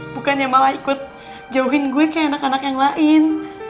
bukannya malah ikut jauhin gue ke anak anak yang lain